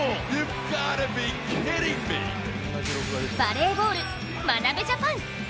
バレーボール、眞鍋ジャパン。